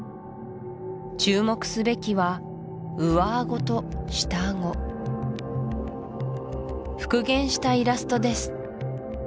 注目すべきは上あごと下あご復元したイラストです